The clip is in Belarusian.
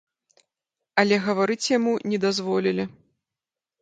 Але гаварыць яму не дазволілі.